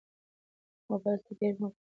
موبایل ته ډېر مه ګورئ.